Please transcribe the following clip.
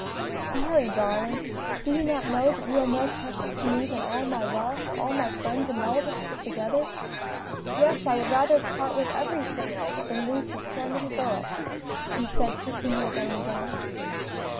"Sorry, darling! do you not know that you are more precious to me than all my wealth, all my friends and relatives put together? Yes, I would rather part with everything else than lose this one little girl," he said, kissing her again and again.